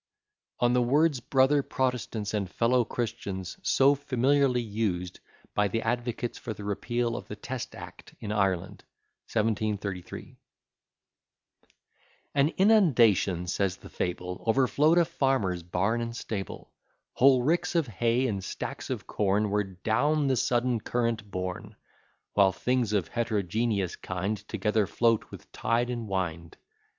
] ON THE WORDS BROTHER PROTESTANTS AND FELLOW CHRISTIANS, SO FAMILIARLY USED BY THE ADVOCATES FOR THE REPEAL OF THE TEST ACT IN IRELAND 1733 AN inundation, says the fable, Overflow'd a farmer's barn and stable; Whole ricks of hay and stacks of corn Were down the sudden current borne; While things of heterogeneous kind Together float with tide and wind.